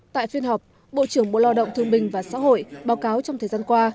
tại phiên họp bộ trưởng bộ lao động thương bình và xã hội báo cáo trong thời gian qua